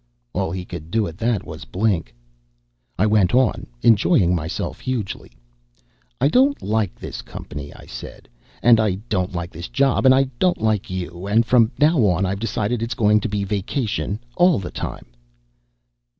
All he could do at that was blink. I went on, enjoying myself hugely. "I don't like this company," I said. "And I don't like this job. And I don't like you. And from now on, I've decided, it's going to be vacation all the time."